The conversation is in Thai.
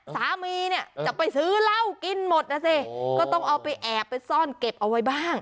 สามีเนี่ยจะไปซื้อเหล้ากินหมดนะสิก็ต้องเอาไปแอบไปซ่อนเก็บเอาไว้บ้าง